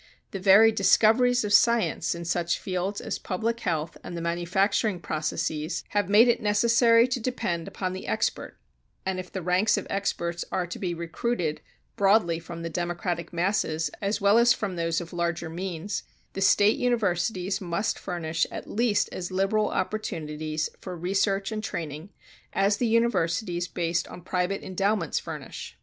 The very discoveries of science in such fields as public health and manufacturing processes have made it necessary to depend upon the expert, and if the ranks of experts are to be recruited broadly from the democratic masses as well as from those of larger means, the State Universities must furnish at least as liberal opportunities for research and training as the universities based on private endowments furnish.